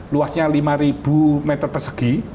luasnya lima meter persegi